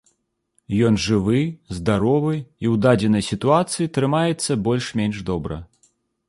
Ён жывы, здаровы і ў дадзенай сітуацыі трымаецца больш-менш добра.